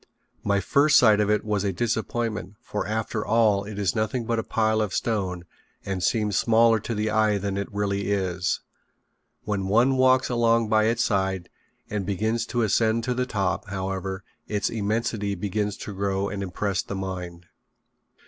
My first sight of it was a disappointment for after all it is nothing but a pile of stone, and seems smaller to the eye than it really is. When one walks along by its side and begins the ascent to the top, however, its immensity begins to grow and impress the mind.